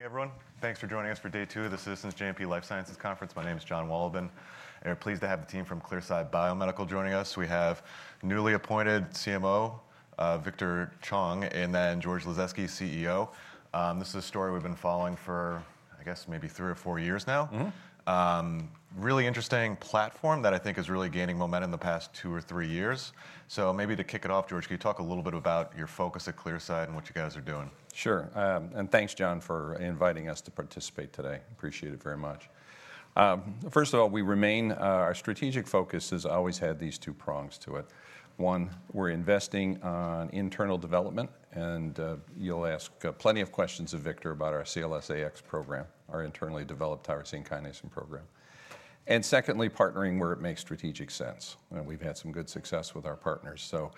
Hey everyone, thanks for joining us for day two of the Citizens JMP Life Sciences Conference. My name is Jon Wolleben. We're pleased to have the team from Clearside Biomedical joining us. We have newly appointed CMO, Victor Chong, and then George Lasezkay, CEO. This is a story we've been following for, I guess, maybe three or four years now. Really interesting platform that I think is really gaining momentum in the past two or three years. So maybe to kick it off, George, can you talk a little bit about your focus at Clearside and what you guys are doing? Sure. And thanks, Jon, for inviting us to participate today. Appreciate it very much. First of all, we remain our strategic focus has always had these two prongs to it. One, we're investing on internal development, and you'll ask plenty of questions of Victor about our CLS-AX program, our internally developed tyrosine kinase program. And secondly, partnering where it makes strategic sense. And we've had some good success with our partners. So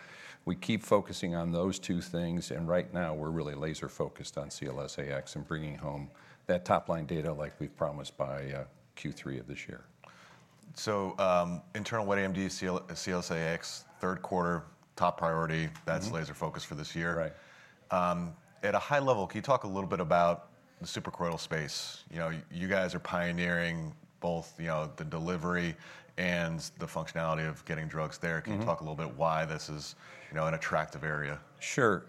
we keep focusing on those two things, and right now we're really laser-focused on CLS-AX and bringing home that top-line data like we've promised by Q3 of this year. So, internal wet AMD CLS-AX, third quarter, top priority, that's laser-focused for this year. At a high level, can you talk a little bit about the suprachoroidal space? You guys are pioneering both the delivery and the functionality of getting drugs there. Can you talk a little bit why this is an attractive area? Sure.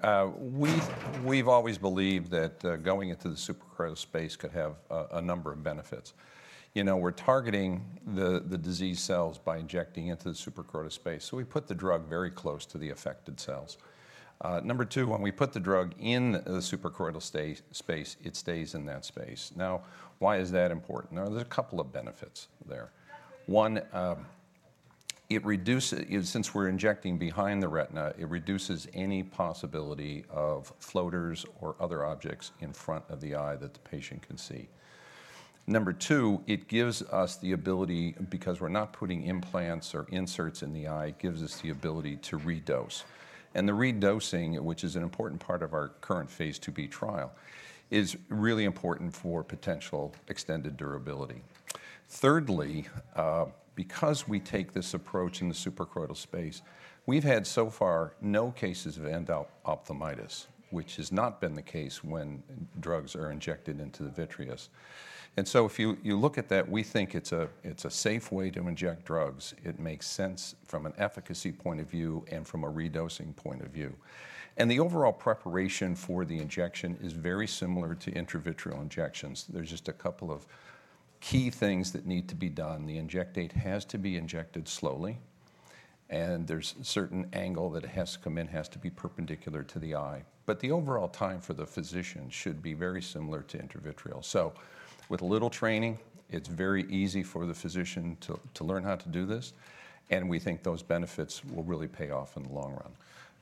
We've always believed that going into the suprachoroidal space could have a number of benefits. We're targeting the disease cells by injecting into the suprachoroidal space, so we put the drug very close to the affected cells. Number two, when we put the drug in the suprachoroidal space, it stays in that space. Now, why is that important? There's a couple of benefits there. One, since we're injecting behind the retina, it reduces any possibility of floaters or other objects in front of the eye that the patient can see. Number two, it gives us the ability because we're not putting implants or inserts in the eye, it gives us the ability to redose. And the redosing, which is an important part of our current phase II-B trial, is really important for potential extended durability. Thirdly, because we take this approach in the suprachoroidal space, we've had so far no cases of endophthalmitis, which has not been the case when drugs are injected into the vitreous. So if you look at that, we think it's a safe way to inject drugs. It makes sense from an efficacy point of view and from a redosing point of view. The overall preparation for the injection is very similar to intravitreal injections. There's just a couple of key things that need to be done. The injectate has to be injected slowly, and there's a certain angle that has to come in, has to be perpendicular to the eye. The overall time for the physician should be very similar to intravitreal. With little training, it's very easy for the physician to learn how to do this, and we think those benefits will really pay off in the long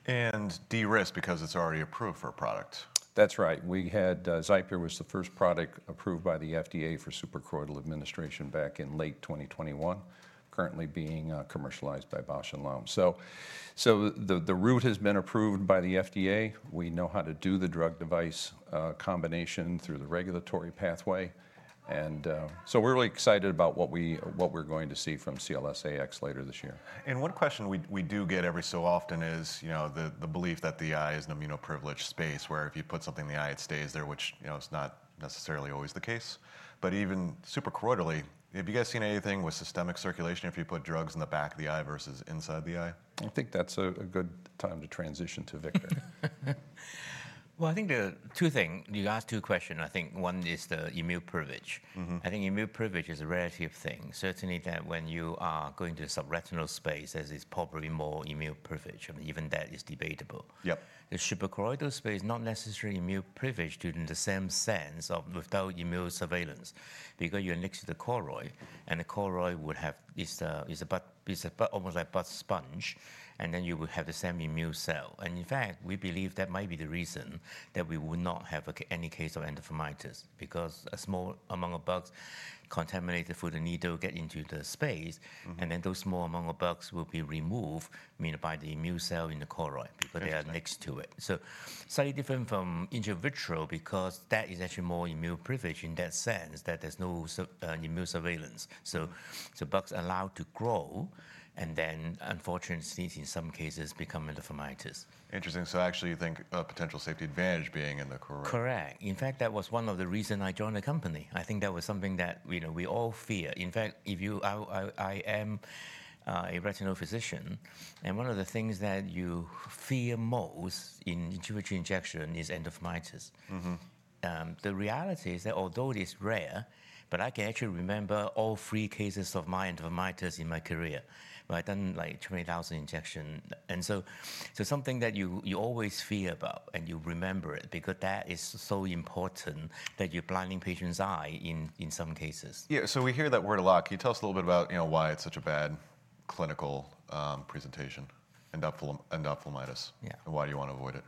run. De-risk because it's already approved for a product. That's right. XIPERE was the first product approved by the FDA for suprachoroidal administration back in late 2021, currently being commercialized by Bausch + Lomb. So the route has been approved by the FDA. We know how to do the drug-device combination through the regulatory pathway. And so we're really excited about what we're going to see from CLS-AX later this year. One question we do get every so often is the belief that the eye is an immunoprivileged space where if you put something in the eye, it stays there, which is not necessarily always the case. But even suprachoroidally, have you guys seen anything with systemic circulation if you put drugs in the back of the eye versus inside the eye? I think that's a good time to transition to Victor. Well, I think two things. You asked two questions. I think one is the immunoprivilege. I think immunoprivilege is a relative thing, certainly that when you are going to the subretinal space, there is probably more immunoprivilege, and even that is debatable. The suprachoroidal space is not necessarily immunoprivileged in the same sense of without immune surveillance because you're next to the choroid, and the choroid would have its almost like a blood sponge, and then you would have the same immune cell. And in fact, we believe that might be the reason that we will not have any case of endophthalmitis because a small number of bugs contaminated through the needle gets into the space, and then those small number of bugs will be removed by the immune cell in the choroid because they are next to it. So slightly different from intravitreal because that is actually more immunoprivileged in that sense that there's no immune surveillance. So bugs are allowed to grow, and then unfortunately, in some cases, become endophthalmitis. Interesting. So actually, you think a potential safety advantage being in the choroid? Correct. In fact, that was one of the reasons I joined the company. I think that was something that we all fear. In fact, I am a retinal physician, and one of the things that you fear most in intravitreal injection is endophthalmitis. The reality is that although it is rare, but I can actually remember all three cases of my endophthalmitis in my career. I've done like 20,000 injections. And so it's something that you always fear about and you remember it because that is so important that you're blinding patients' eyes in some cases. Yeah. So we hear that word a lot. Can you tell us a little bit about why it's such a bad clinical presentation, endophthalmitis, and why do you want to avoid it?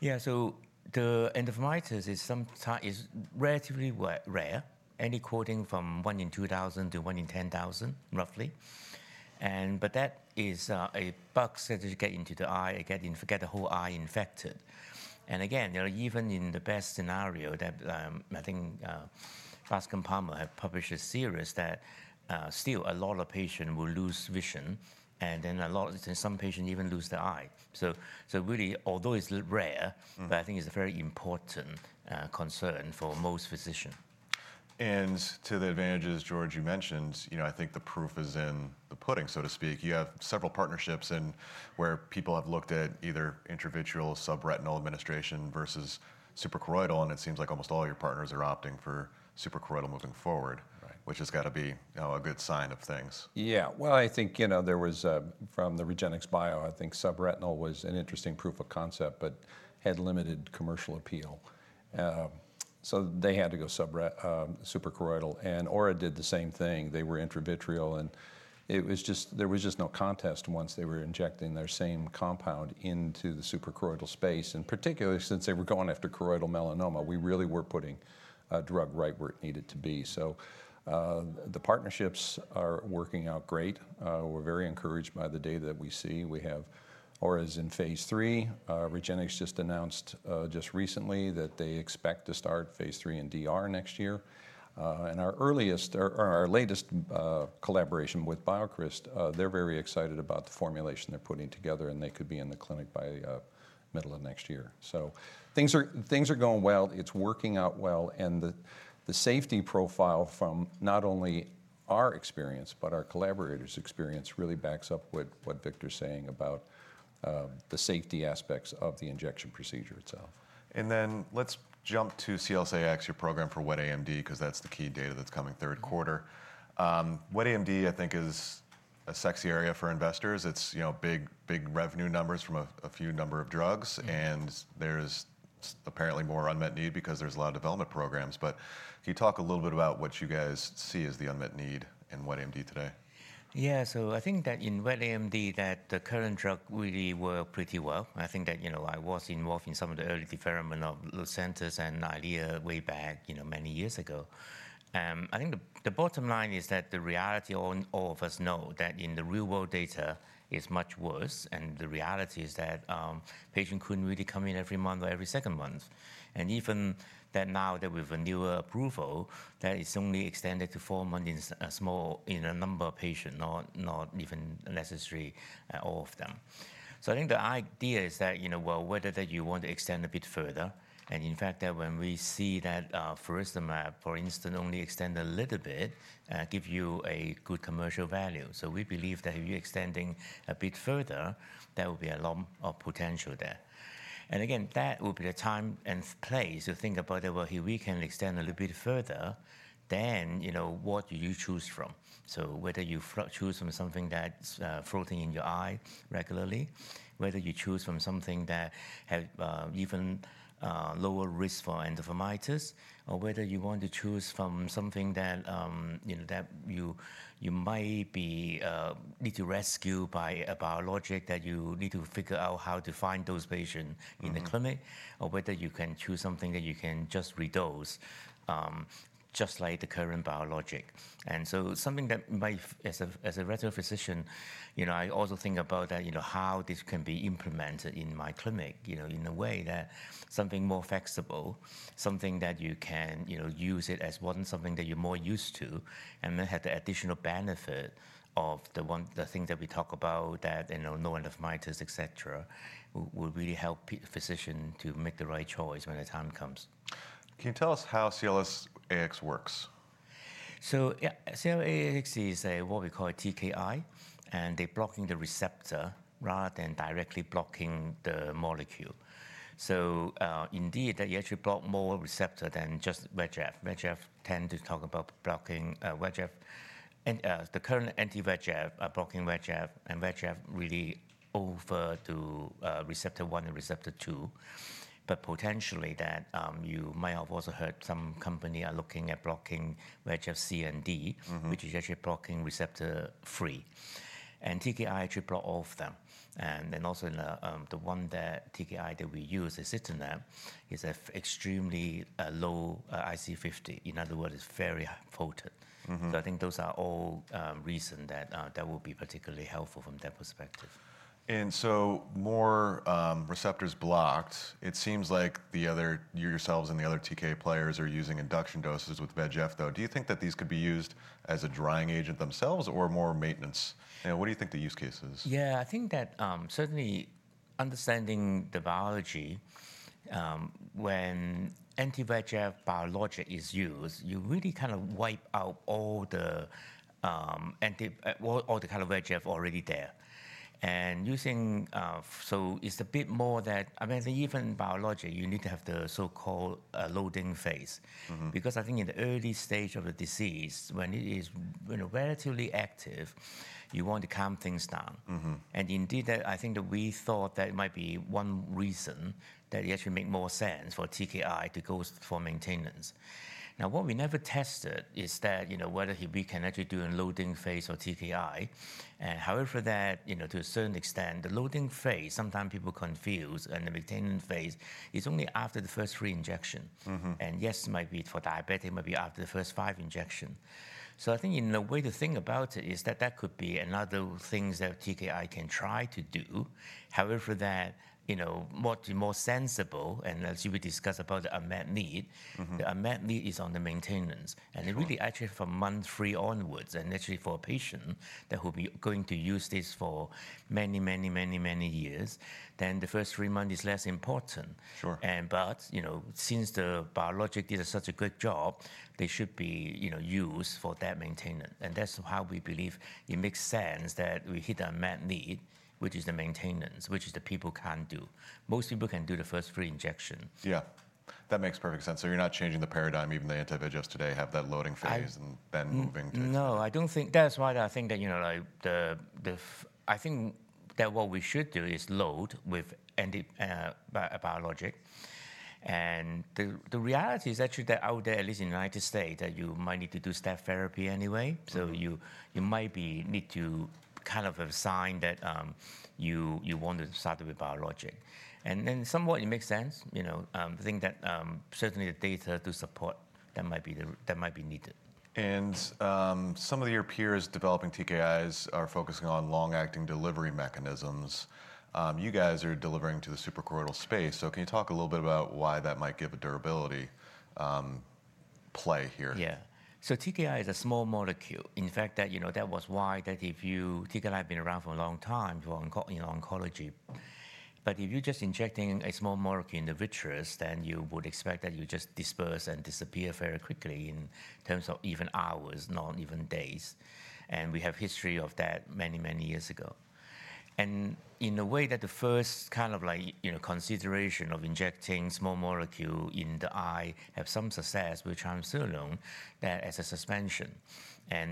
Yeah. So the endophthalmitis is relatively rare, any quoting from 1 in 2,000 to 1 in 10,000, roughly. But that is a bug that you get into the eye, it gets the whole eye infected. And again, even in the best scenario, I think Bascom Palmer has published a series that still a lot of patients will lose vision, and then some patients even lose their eye. So really, although it's rare, but I think it's a very important concern for most physicians. To the advantages, George, you mentioned, I think the proof is in the pudding, so to speak. You have several partnerships where people have looked at either intravitreal subretinal administration versus suprachoroidal, and it seems like almost all your partners are opting for suprachoroidal moving forward, which has got to be a good sign of things. Yeah. Well, I think there was from the REGENXBIO, I think subretinal was an interesting proof of concept, but had limited commercial appeal. So they had to go suprachoroidal. And Aura did the same thing. They were intravitreal, and there was just no contest once they were injecting their same compound into the suprachoroidal space. And particularly since they were going after choroidal melanoma, we really were putting a drug right where it needed to be. So the partnerships are working out great. We're very encouraged by the data that we see. Aura is in phase III. REGENXBIO just announced just recently that they expect to start phase III in DR next year. And our latest collaboration with BioCryst, they're very excited about the formulation they're putting together, and they could be in the clinic by the middle of next year. So things are going well. It's working out well. And the safety profile from not only our experience, but our collaborators' experience really backs up what Victor's saying about the safety aspects of the injection procedure itself. Then let's jump to CLS-AX, your program for wet AMD, because that's the key data that's coming third quarter. Wet AMD, I think, is a sexy area for investors. It's big revenue numbers from a few number of drugs, and there's apparently more unmet need because there's a lot of development programs. But can you talk a little bit about what you guys see as the unmet need in wet AMD today? Yeah. So I think that in wet AMD, that the current drug really works pretty well. I think that I was involved in some of the early development of Lucentis and Eylea way back many years ago. I think the bottom line is that the reality all of us know that in the real-world data, it's much worse. And the reality is that patients couldn't really come in every month or every second month. And even now that we have a newer approval, that is only extended to four months in a small number of patients, not even necessarily all of them. So I think the idea is that, well, whether that you want to extend a bit further, and in fact, when we see that Vabysmo, for instance, only extends a little bit, gives you a good commercial value. So we believe that if you're extending a bit further, there will be a lot of potential there. And again, that will be the time and place to think about that, well, if we can extend a little bit further, then what do you choose from? So whether you choose from something that's floating in your eye regularly, whether you choose from something that has even lower risk for endophthalmitis, or whether you want to choose from something that you might need to rescue by a biologic that you need to figure out how to find those patients in the clinic, or whether you can choose something that you can just redose, just like the current biologic. And so, something that might, as a retinal physician, I also think about that, how this can be implemented in my clinic in a way that something more flexible, something that you can use as one, something that you're more used to, and then have the additional benefit of the things that we talk about, that no endophthalmitis, et cetera, will really help physicians to make the right choice when the time comes. Can you tell us how CLS-AX works? So CLS-AX is what we call a TKI, and they're blocking the receptor rather than directly blocking the molecule. So indeed, you actually block more receptors than just VEGF. We tend to talk about blocking VEGF, the current anti-VEGF, blocking VEGF, and VEGF receptor one and receptor two. But potentially, you might have also heard some companies are looking at blocking VEGF-C and D, which is actually blocking receptor three. And TKI actually blocks all of them. And then also the one that TKI that we use is axitinib. It's extremely low IC50. In other words, it's very highly potent. So I think those are all reasons that that will be particularly helpful from that perspective. And so more receptors blocked. It seems like yourselves and the other TKI players are using induction doses with VEGF, though. Do you think that these could be used as a drying agent themselves or more maintenance? What do you think the use case is? Yeah. I think that certainly understanding the biology, when anti-VEGF biologic is used, you really kind of wipe out all the kind of VEGF already there. And so it's a bit more that, I mean, even biologic, you need to have the so-called loading phase. Because I think in the early stage of the disease, when it is relatively active, you want to calm things down. And indeed, I think that we thought that might be one reason that it actually makes more sense for TKI to go for maintenance. Now, what we never tested is whether we can actually do a loading phase or TKI. However, to a certain extent, the loading phase, sometimes people confuse, and the maintenance phase is only after the first three injections. And yes, it might be for diabetics, it might be after the first five injections. I think the way to think about it is that that could be another thing that TKI can try to do. However, what's more sensible, and as you discussed about the unmet need, the unmet need is on the maintenance. It really actually from month three onwards, and actually for a patient that will be going to use this for many, many, many, many years, then the first three months is less important. But since the biologic did such a great job, they should be used for that maintenance. And that's how we believe it makes sense that we hit the unmet need, which is the maintenance, which is the people can't do. Most people can do the first three injections. Yeah. That makes perfect sense. So you're not changing the paradigm. Even the anti-VEGFs today have that loading phase and then moving to. No. I don't think that's why. I think that I think that what we should do is load with biologic. And the reality is actually that out there, at least in the United States, that you might need to do step therapy anyway. So you might need to kind of assign that you want to start with biologic. And then somewhat it makes sense. I think that certainly the data to support that might be needed. Some of your peers developing TKIs are focusing on long-acting delivery mechanisms. You guys are delivering to the suprachoroidal space. Can you talk a little bit about why that might give a durability play here? Yeah. So TKI is a small molecule. In fact, that was why that if you TKI has been around for a long time for oncology. But if you're just injecting a small molecule in the vitreous, then you would expect that you just disperse and disappear very quickly in terms of even hours, not even days. We have history of that many, many years ago. In a way that the first kind of consideration of injecting small molecules in the eye has some success with triamcinolone as a suspension.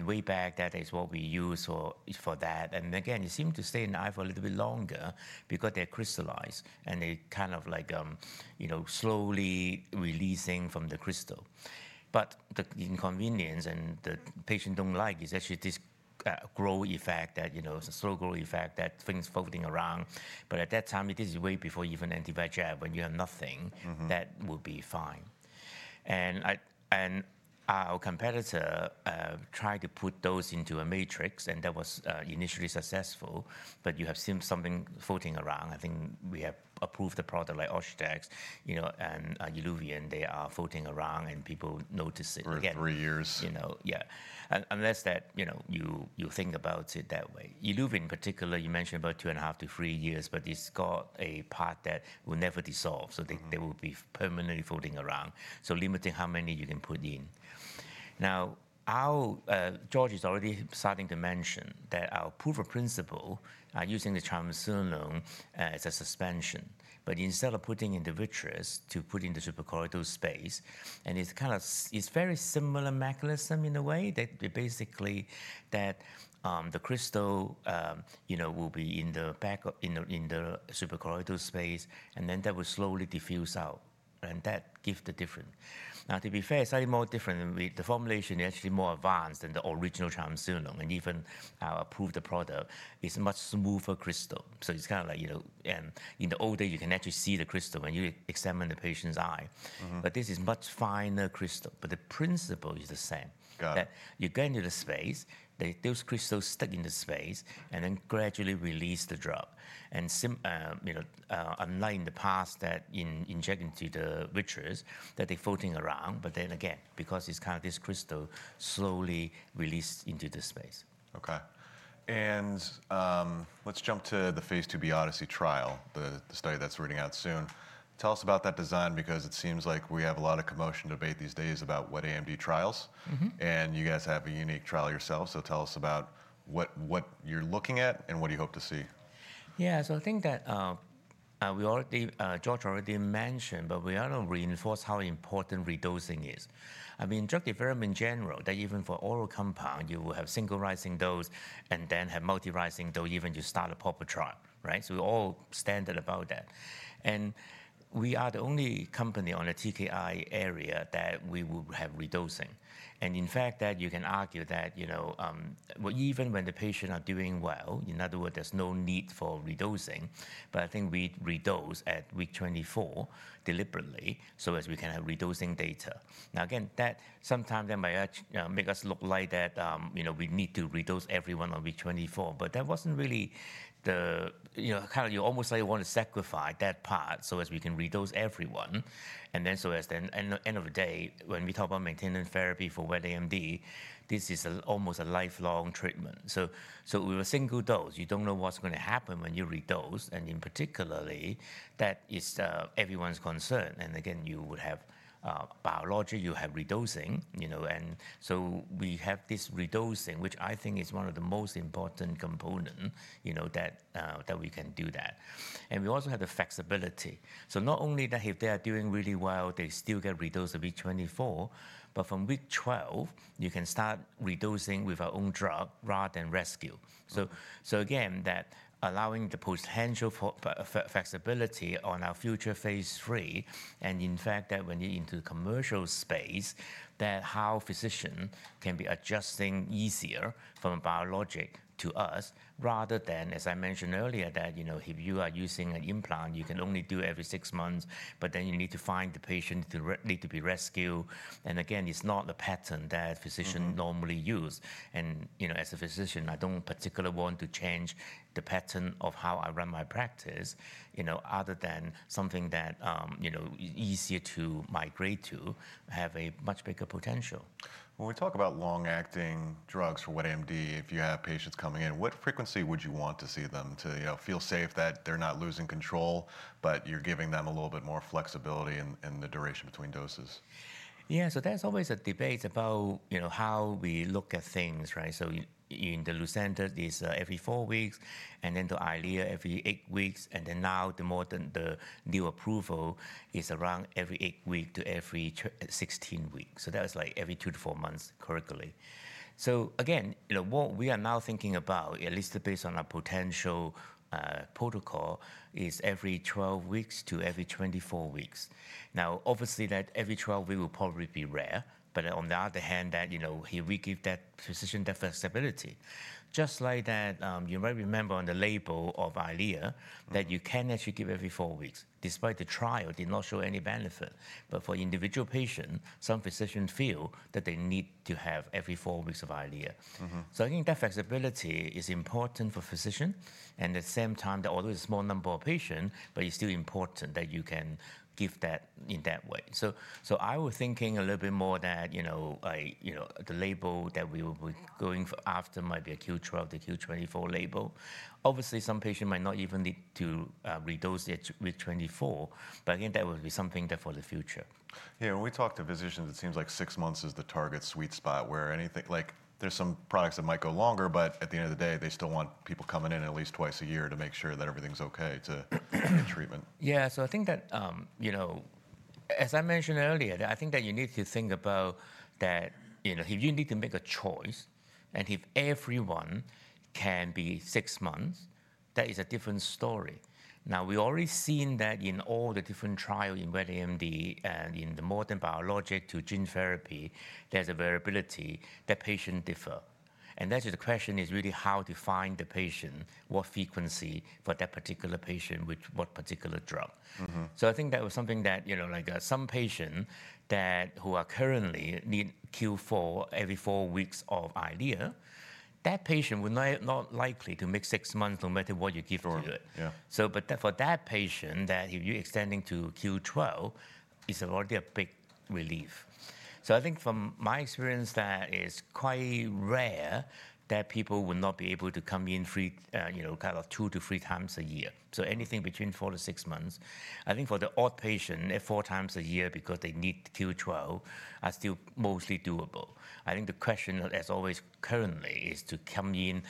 Way back, that is what we used for that. Again, it seemed to stay in the eye for a little bit longer because they crystallize, and they kind of slowly release from the crystal. But the inconvenience and the patient don't like is actually this grow effect, that slow grow effect, that things floating around. But at that time, this is way before even anti-VEGF. When you have nothing, that will be fine. Our competitor tried to put those into a matrix, and that was initially successful. But you have seen something floating around. I think we have approved a product like Retisert and Iluvion. They are floating around, and people notice it. For three years. Yeah. Unless that you think about it that way. Iluvion, in particular, you mentioned about 2.5-3 years, but it's got a part that will never dissolve. So they will be permanently floating around. So limiting how many you can put in. Now, George is already starting to mention that our proof of principle using the triamcinolone as a suspension. But instead of putting it in the vitreous to put it in the suprachoroidal space, and it's kind of it's a very similar mechanism in a way that basically the crystal will be in the back of in the suprachoroidal space, and then that will slowly diffuse out. And that gives the difference. Now, to be fair, it's slightly more different. The formulation is actually more advanced than the original triamcinolone. And even our approved product is a much smoother crystal. So it's kind of like in the old day, you can actually see the crystal when you examine the patient's eye. But this is a much finer crystal. But the principle is the same, that you get into the space, those crystals stick in the space, and then gradually release the drug. And unlike in the past, that in injecting into the vitreous, that they're floating around. But then again, because it's kind of this crystal slowly released into the space. Okay. Let's jump to the phase II-B ODYSSEY trial, the study that's rolling out soon. Tell us about that design, because it seems like we have a lot of contentious debate these days about what AMD trials. You guys have a unique trial yourselves. Tell us about what you're looking at and what you hope to see. Yeah. So I think that we already George already mentioned, but we want to reinforce how important redosing is. I mean, drug development in general, that even for oral compound, you will have single rising dose and then have multi rising dose even you start a proper trial, right? So we're all standard about that. And we are the only company on the TKI area that we will have redosing. And in fact, you can argue that even when the patients are doing well, in other words, there's no need for redosing. But I think we redose at week 24 deliberately so as we can have redosing data. Now, again, that sometimes that might make us look like that we need to redose everyone on week 24. But that wasn't really the kind of you almost like you want to sacrifice that part so as we can redose everyone. At the end of the day, when we talk about maintenance therapy for wet AMD, this is almost a lifelong treatment. With a single dose, you don't know what's going to happen when you redose. In particular, that is everyone's concern. Again, you would have biologics, you have redosing. We have this redosing, which I think is one of the most important components that we can do that. We also have the flexibility. Not only that, if they are doing really well, they still get redosed at week 24. But from week 12, you can start redosing with our own drug rather than rescue. Again, allowing the potential for flexibility on our future phase III. In fact, when you're into the commercial space, how physicians can be adjusting easier from a biologic to us rather than, as I mentioned earlier, that if you are using an implant, you can only do every six months. But then you need to find the patient to be rescued. And again, it's not a pattern that physicians normally use. And as a physician, I don't particularly want to change the pattern of how I run my practice other than something that is easier to migrate to, have a much bigger potential. When we talk about long-acting drugs for wet AMD, if you have patients coming in, what frequency would you want to see them to feel safe that they're not losing control, but you're giving them a little bit more flexibility in the duration between doses? Yeah. So there's always a debate about how we look at things, right? So in the Lucentis, it's every four weeks. And then the Eylea, every eight weeks. And then now, the new approval is around every eight weeks to every 16 weeks. So that's like every two to four months currently. So again, what we are now thinking about, at least based on our potential protocol, is every 12 weeks to every 24 weeks. Now, obviously, every 12 weeks will probably be rare. But on the other hand, we give that physician that flexibility. Just like that, you might remember on the label of Eylea that you can actually give every four weeks. Despite the trial, it did not show any benefit. But for individual patients, some physicians feel that they need to have every four weeks of Eylea. So I think that flexibility is important for physicians. At the same time, although it's a small number of patients, but it's still important that you can give that in that way. So I was thinking a little bit more that the label that we will be going after might be a Q12 to Q24 label. Obviously, some patients might not even need to redose at week 24. But again, that will be something for the future. Yeah. When we talk to physicians, it seems like six months is the target sweet spot where anything, there's some products that might go longer. But at the end of the day, they still want people coming in at least twice a year to make sure that everything's okay to get treatment. Yeah. So I think that, as I mentioned earlier, I think that you need to think about that if you need to make a choice, and if everyone can be six months, that is a different story. Now, we've already seen that in all the different trials in wet AMD and in the modern biologic to gene therapy, there's a variability that patients differ. And actually, the question is really how to find the patient, what frequency for that particular patient with what particular drug. So I think that was something that some patients who are currently needing Q4 every four weeks of Eylea, that patient will not likely to make six months, no matter what you give to it. But for that patient, if you're extending to Q12, it's already a big relief. So I think from my experience, that is quite rare that people will not be able to come in kind of two-three times a year. So anything between four to six months, I think for the odd patient, four times a year because they need Q12 are still mostly doable. I think the question, as always currently, is to come in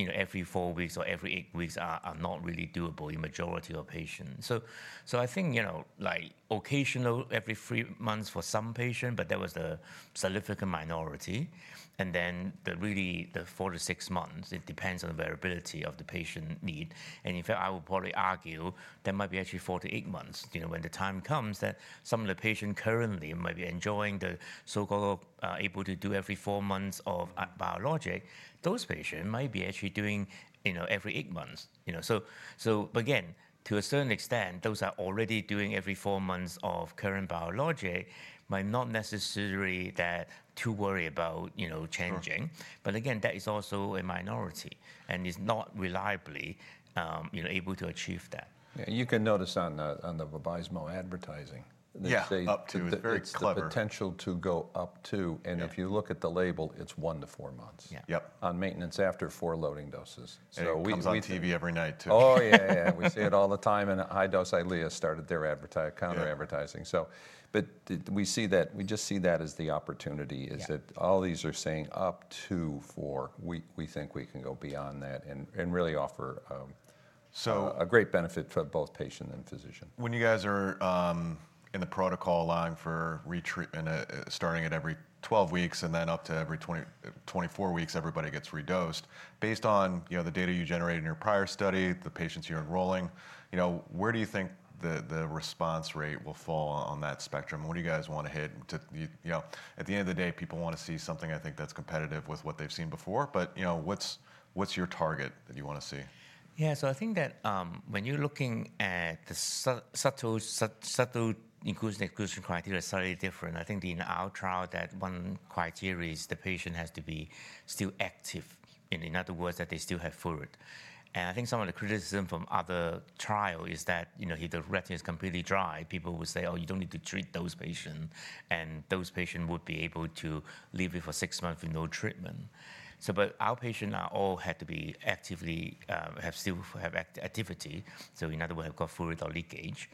every four weeks or every eight weeks are not really doable in the majority of patients. So I think occasionally every three months for some patients, but that was the significant minority. And then really, the four to six months, it depends on the variability of the patient need. And in fact, I would probably argue that might be actually four to eight months when the time comes that some of the patients currently might be enjoying the so-called able to do every four months of biologic. Those patients might be actually doing every eight months. So again, to a certain extent, those are already doing every four months of current biologic might not necessarily be too worried about changing. But again, that is also a minority. And it's not reliably able to achieve that. Yeah. You can notice on the Vabysmo advertising that they say. Yeah. Up to. It's very clever. The potential to go up to. If you look at the label, it's 1-4 months on maintenance after 4 loading doses. It comes on TV every night too. Oh, yeah, yeah. We see it all the time. And High Dose Eylea started their counter-advertising. But we see that we just see that as the opportunity, is that all these are saying up to four. We think we can go beyond that and really offer a great benefit for both patient and physician. When you guys are in the protocol allowing for retreatment starting at every 12 weeks and then up to every 24 weeks, everybody gets redosed, based on the data you generated in your prior study, the patients you're enrolling, where do you think the response rate will fall on that spectrum? What do you guys want to hit? At the end of the day, people want to see something, I think, that's competitive with what they've seen before. But what's your target that you want to see? Yeah. So I think that when you're looking at the study inclusion criteria, it's slightly different. I think in our trial, that one criteria is the patient has to be still active. In other words, that they still have fluid. And I think some of the criticism from other trials is that if the retina is completely dry, people will say, oh, you don't need to treat those patients. And those patients would be able to leave it for six months with no treatment. But our patients all had to be actively have still have activity. So in other words, have got fluid or leakage.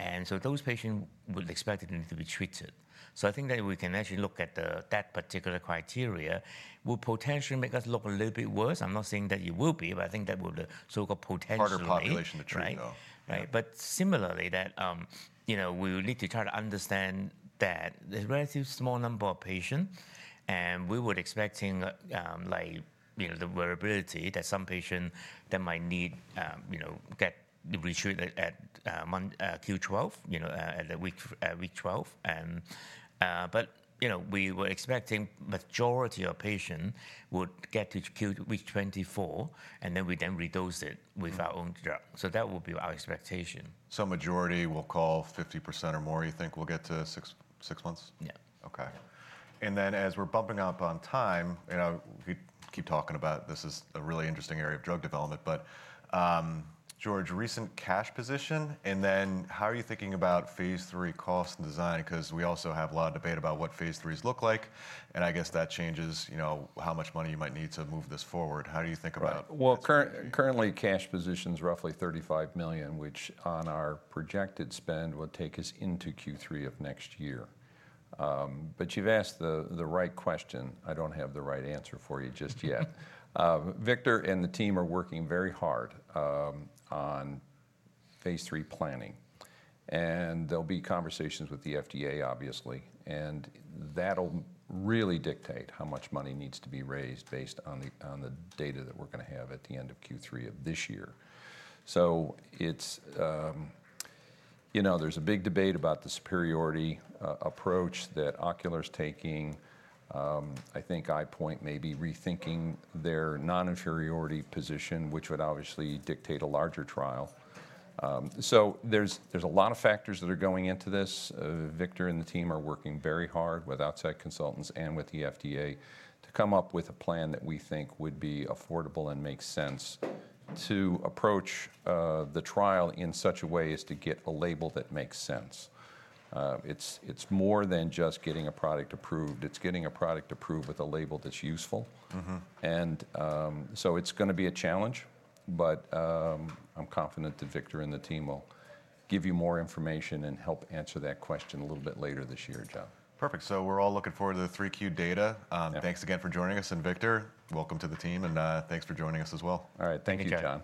And so those patients would expect they need to be treated. So I think that we can actually look at that particular criteria. It will potentially make us look a little bit worse. I'm not saying that it will be, but I think that will be the so-called potentially. Harder population to treat, though. Right. But similarly, we will need to try to understand that there's a relatively small number of patients. And we were expecting the variability that some patients that might need get retreated at Q12, at week 12. But we were expecting the majority of patients would get to week 24, and then we then redose it with our own drug. So that will be our expectation. Majority will call 50% or more. You think we'll get to six months? Yeah. Okay. Then as we're bumping up on time, we keep talking about this is a really interesting area of drug development. But George, recent cash position. Then how are you thinking about phase three cost and design? Because we also have a lot of debate about what phase three's look like. And I guess that changes how much money you might need to move this forward. How do you think about? Well, currently, cash position's roughly $35 million, which on our projected spend will take us into Q3 of next year. But you've asked the right question. I don't have the right answer for you just yet. Victor and the team are working very hard on phase III planning. And there'll be conversations with the FDA, obviously. And that'll really dictate how much money needs to be raised based on the data that we're going to have at the end of Q3 of this year. So there's a big debate about the superiority approach that Ocular is taking. I think EyePoint may be rethinking their non-inferiority position, which would obviously dictate a larger trial. So there's a lot of factors that are going into this. Victor and the team are working very hard with outside consultants and with the FDA to come up with a plan that we think would be affordable and make sense to approach the trial in such a way as to get a label that makes sense. It's more than just getting a product approved. It's getting a product approved with a label that's useful. It's going to be a challenge. I'm confident that Victor and the team will give you more information and help answer that question a little bit later this year, Jon. Perfect. We're all looking forward to the 3Q data. Thanks again for joining us. Victor, welcome to the team. Thanks for joining us as well. All right. Thank you, Jon.